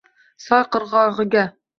Soy qirg’og’iga…